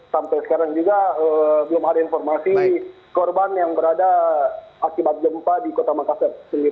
sampai sekarang juga belum ada informasi korban yang berada akibat gempa di kota makassar